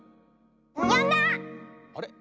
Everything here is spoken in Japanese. あれ？